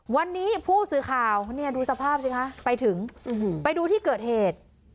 วันนี้ผู้สื่อข่าวเนี่ยดูสภาพสิคะไปถึงไปดูที่เกิดเหตุ